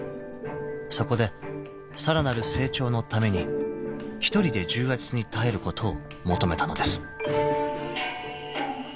［そこでさらなる成長のために一人で重圧に耐えることを求めたのです］